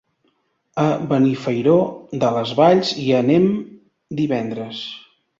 A Benifairó de les Valls hi anem divendres.